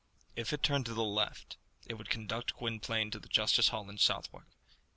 If it turned to the left, it would conduct Gwynplaine to the justice hall in Southwark.